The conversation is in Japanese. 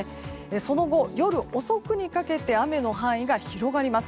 その後、夜遅くにかけて雨の範囲が広がります。